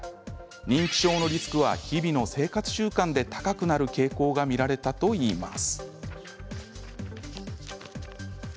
認知症のリスクは日々の生活習慣で高くなる傾向が見られたといいます。